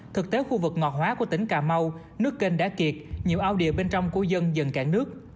thực tế khu vực ngọt hóa của tỉnh cà mau nước kênh đã kiệt nhiều ao địa bên trong của dân dần cạn nước